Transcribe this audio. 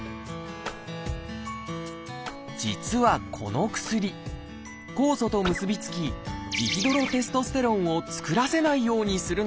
実はこの薬酵素と結び付きジヒドロテストステロンを作らせないようにするのです。